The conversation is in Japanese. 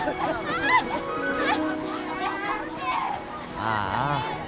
ああ。